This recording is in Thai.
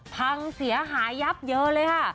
พังเสียหายยับเยอะเลยค่ะ